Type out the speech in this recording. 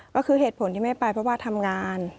ก็คือเหตุผลที่ไม่ไปเพราะว่าทำงาน